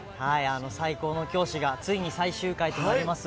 最高の教師がついに最終回となります。